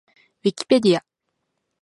ウィキペディア